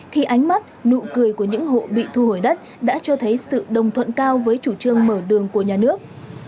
thì ánh mắt nụ cười của những hộ bị thu hồi đất đã cho thấy sự đồng thuận cao với chủ trương mở đường của nhà nước